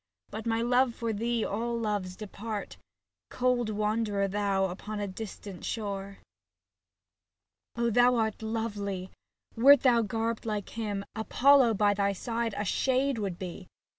Before my love for thee all loves depart. Cold wanderer thou upon a distant shore. O thou art lovely ! wert thou garbed like him, Apollo by thy side a shade would be.